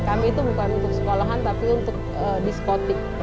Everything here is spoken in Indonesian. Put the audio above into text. kami itu bukan untuk sekolahan tapi untuk diskotik